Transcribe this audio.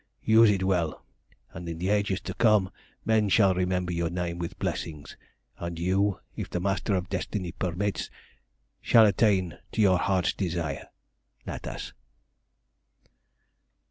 Use it well, and in the ages to come men shall remember your name with blessings, and you, if the Master of Destiny permits, shall attain to your heart's desire. NATAS.